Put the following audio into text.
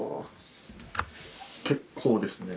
結構ですね。